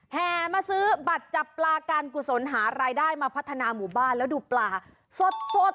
แห่มาซื้อบัตรจับปลาการกุศลหารายได้มาพัฒนาหมู่บ้านแล้วดูปลาสด